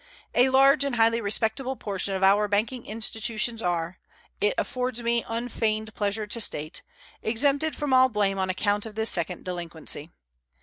A large and highly respectable portion of our banking institutions are, it affords me unfeigned pleasure to state, exempted from all blame on account of this second delinquency.